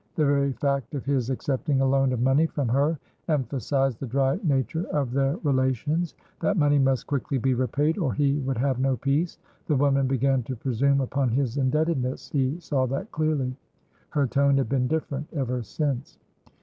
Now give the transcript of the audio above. The very fact of his accepting a loan of money from her emphasised the dry nature of their relations. That money must quickly be repaid, or he would have no peace. The woman began to presume upon his indebtedness, he saw that clearly. Her tone had been different, ever since.